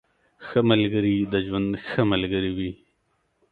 ښه ملګري د ژوند ښه ملګري وي.